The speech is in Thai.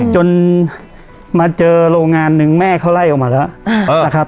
จนมาเจอโรงงานหนึ่งแม่เขาไล่ออกมาแล้วนะครับ